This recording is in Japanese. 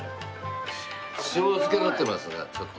塩漬けになってますがちょっと。